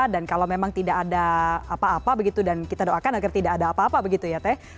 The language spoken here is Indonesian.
dan kalau memang tidak ada apa apa begitu dan kita doakan agar tidak ada apa apa begitu ya teh